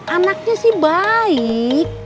anaknya sih baik